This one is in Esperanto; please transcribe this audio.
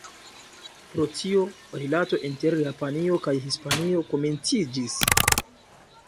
Pro tio, rilato inter Japanio kaj Hispanio komenciĝis.